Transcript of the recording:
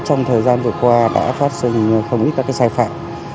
trong thời gian vừa qua đã phát sinh không ít các sai phạm